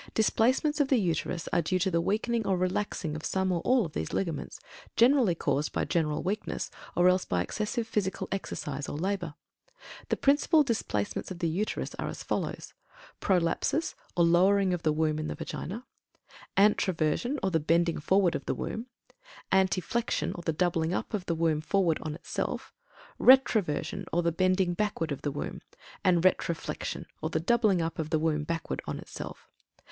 Displacements of the Uterus are due to the weakening or relaxing of some or all of these ligaments, generally caused by general weakness or else by excessive physical exercise or labor. The principal DISPLACEMENTS OF THE UTERUS are as follows: Prolapsus, or lowering of the womb in the vagina; Antroversion, or the bending forward of the womb; Anteflexion, or the "doubling up" of the womb FORWARD on itself; Retroversion, or the bending backward of the womb; and Retroflexion, or the "doubling up" of the womb BACKWARD on itself.